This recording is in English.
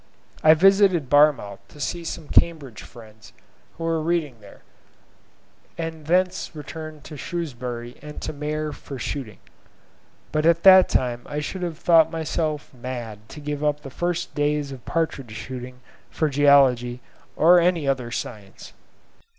I visited Barmouth to see some Cambridge friends who were reading there, and thence returned to Shrewsbury and to Maer for shooting; for at that time I should have thought myself mad to give up the first days of partridge shooting for geology or any other science.